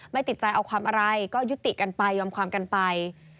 ติดใจเอาความอะไรก็ยุติกันไปยอมความกันไป